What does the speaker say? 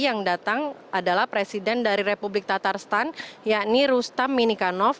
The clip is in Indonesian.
yang datang adalah presiden dari republik tatarstan yakni rustam mini kanov